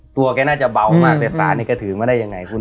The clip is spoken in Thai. ตัวแกน่าจะเบามากแต่สารนี้แกถือมาได้ยังไงคุณ